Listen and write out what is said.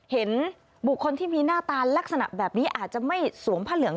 เห็นบุคคลที่มีหน้าตาลักษณะแบบนี้อาจจะไม่สวมผ้าเหลือง